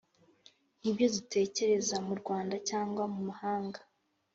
ibyo dutekereza muRwanda cyangwa mu mahanga